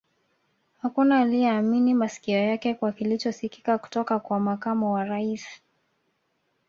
Hakuna aliye yaamini masikio yake kwa kilicho sikika kutoka kwa Makamu wa Rais